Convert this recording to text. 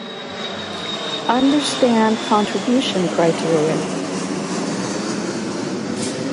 His second reason against sati is an appeal to relative merit between two choices.